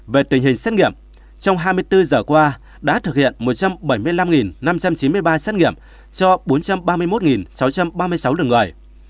về tình hình xét nghiệm trong hai mươi bốn giờ qua đã thực hiện một trăm bảy mươi năm năm trăm chín mươi ba xét nghiệm cho bốn trăm ba mươi một sáu trăm ba mươi sáu lượt người